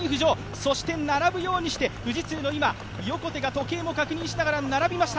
そして並ぶようにして富士通の横手が時計も確認しながら並びました。